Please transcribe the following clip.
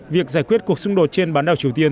việc giải quyết cuộc xung đột trên bán đảo triều tiên